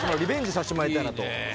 さしてもらいたいなと。